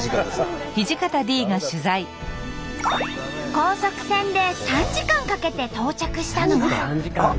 高速船で３時間かけて到着したのは。